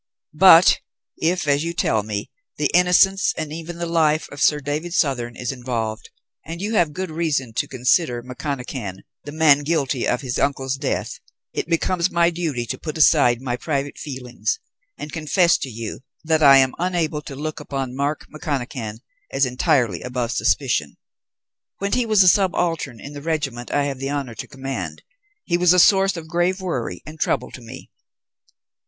But if, as you tell me, the innocence and even the life of Sir David Southern is involved, and you have such good reason to consider McConachan the man guilty of his uncle's death, it becomes my duty to put aside my private feelings and to confess to you that I am unable to look upon Mark McConachan as entirely above suspicion. When he was a subaltern in the regiment I have the honour to command, he was a source of grave worry and trouble to me.